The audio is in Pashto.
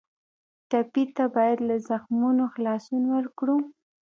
ټپي ته باید له زخمونو خلاصون ورکړو.